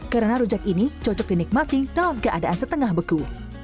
karena rujak ini cocok dinikmati dalam keadaan setengah beku